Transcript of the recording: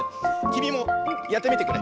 きみもやってみてくれ！